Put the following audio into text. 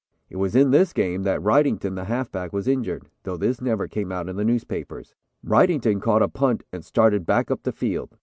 "It was in this game that Wrightington, the halfback, was injured, though this never came out in the newspapers. Wrightington caught a punt and started back up the field.